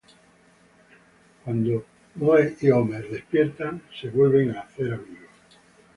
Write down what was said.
Cuando Moe y Homer despiertan, se vuelven a hacer amigos.